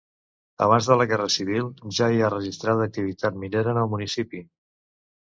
Abans de la Guerra Civil ja hi ha registrada activitat minera en el municipi.